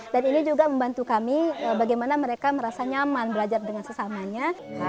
dan ini juga membantu kami bagaimana mereka merasa nyaman belajar dengan sesamanya